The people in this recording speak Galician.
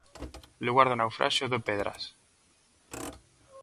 Lugar do naufraxio do 'Pedras'.